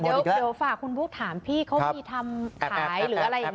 เดี๋ยวฝากคุณบุ๊คถามพี่เขามีทำขายหรืออะไรอย่างนี้